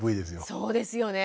そうですね。